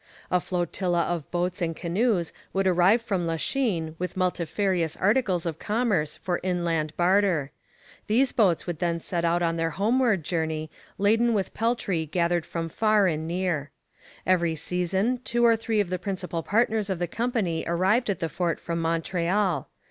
A flotilla of boats and canoes would arrive from Lachine with multifarious articles of commerce for inland barter. These boats would then set out on their homeward journey laden with peltry gathered from far and near. Every season two or three of the principal partners of the company arrived at the fort from Montreal.